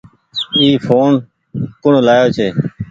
اي ڦون ڪوڻ لآيو ڇي۔